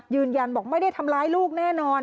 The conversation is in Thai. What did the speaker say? ยืนยันบอกไม่ได้ทำร้ายลูกแน่นอน